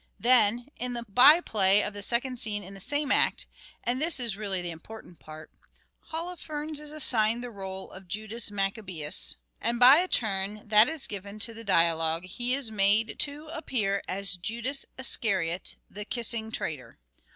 Then, in the by play of the second scene in the same act — and this is really the important point — Holofernes is assigned the role of Judas Maccabaeus, and by a turn that is given to the dialogue he is made to appear as " Judas Iscariot," the " kissing traitor."